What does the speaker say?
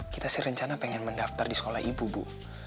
kita sih rencana pengen mendaftar di sekolah ibu bu